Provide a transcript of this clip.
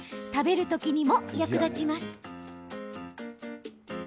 食べるときにも役立ちます。